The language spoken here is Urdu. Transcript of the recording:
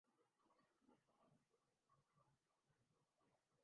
یہ احساس غالب ہے کہ توپ سے مچھر مارے جا رہے ہیں۔